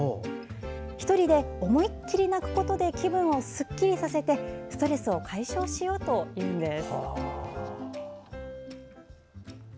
１人で思いっきり泣くことで気分をすっきりさせてストレスを解消しようというんです。